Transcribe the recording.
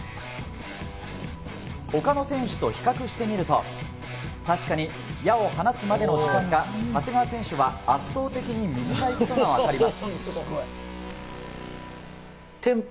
他の選手と比較してみると、確かに矢を放つまでの時間が長谷川選手は圧倒的に短いことがわかります。